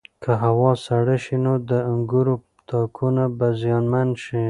که هوا سړه شي نو د انګورو تاکونه به زیانمن شي.